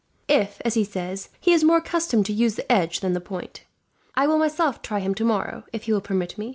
If, as he says, he is more accustomed to use the edge than the point, I will myself try him tomorrow, if he will permit me.